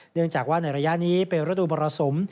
เนื่องจากว่าในระยะนี้เป็นฤดูมรสุม